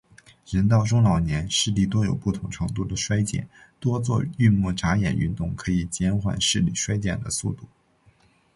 人到中老年，视力多有不同程度地衰减，多做运目眨眼运动可以减缓视力衰减的速度。